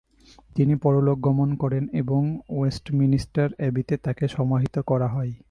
তিনি পরলোক গমন করেন এবং ওয়েস্টমিনিস্টার অ্যাবিতে তাকে সমাহিত করা হয়।